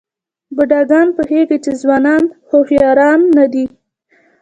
بوډاګان پوهېږي چې ځوانان هوښیاران نه دي.